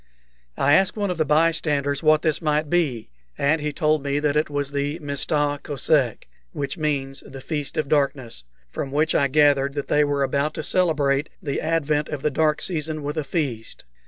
I asked one of the bystanders what this might be, and he told me that it was the Mista Kosek, which means the "Feast of Darkness," from which I gathered that they were about to celebrate the advent of the dark season with a feast.